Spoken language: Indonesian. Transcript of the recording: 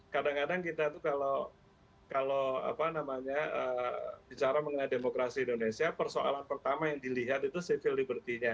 kadang kadang kita itu kalau apa namanya bicara mengenai demokrasi indonesia persoalan pertama yang dilihat itu civil liberty nya